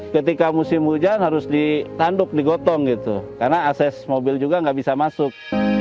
ketika musim hujan harus ditanduk digotong gitu karena akses mobil juga nggak bisa masuk